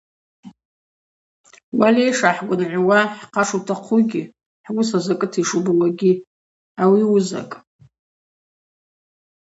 Уальай, йшгӏахӏгвынгӏвуа хӏхъа шутахъугьи, хӏуыс азакӏыта йшубауагьи – ауи уызакӏ.